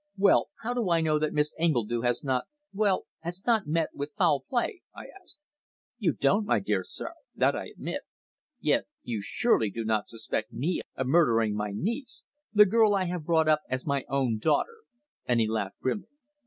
"Well, how do I know that Miss Engledue has not well, has not met with foul play?" I asked. "You don't, my dear sir. That I admit. Yet you surely do not suspect me of murdering my niece the girl I have brought up as my own daughter," and he laughed grimly.